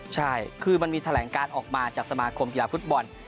ใช่คือมันมีแถลงการออกมาจากสมาคมกีฬาฟุตบอล